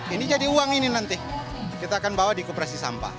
ini jadi uang ini nanti kita akan bawa di kooperasi sampah